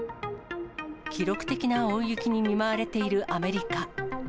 記録的な大雪に見舞われているアメリカ。